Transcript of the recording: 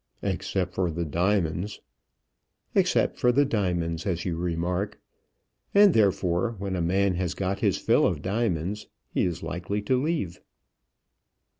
"Except for the diamonds." "Except for the diamonds, as you remark. And therefore when a man has got his fill of diamonds, he is likely to leave."